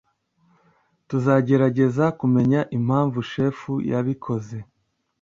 Tuzagerageza kumenya impamvu chef yabikoze.